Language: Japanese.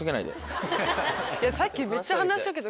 さっきめっちゃ話しかけた。